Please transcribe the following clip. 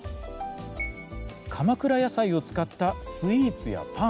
鎌倉やさいを使ったスイーツやパン。